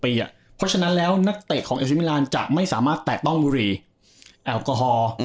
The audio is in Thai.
เพราะฉะนั้นแล้วนักเตะของเอฟซีมิลานจะไม่สามารถแตะต้องบุรีแอลกอฮอล์